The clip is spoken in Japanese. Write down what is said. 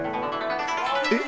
えっ？